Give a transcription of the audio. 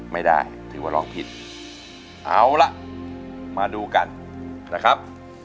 ไม่ได้ถือว่าร้องผิดเอาล่ะมาดูกันนะครับ